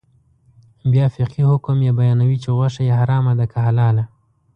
بیا فقهي حکم یې بیانوي چې غوښه یې حرامه ده که حلاله.